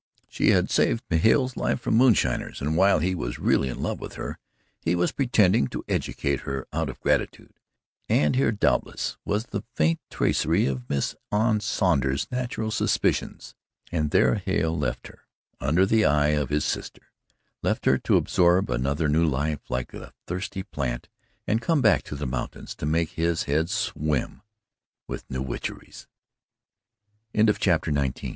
She had saved Hale's life from moonshiners and while he was really in love with her, he was pretending to educate her out of gratitude and here doubtless was the faint tracery of Miss Anne Saunder's natural suspicions. And there Hale left her under the eye of his sister left her to absorb another new life like a thirsty plant and come back to the mountains to make his head swim with new witcheries. XX The boom started after its s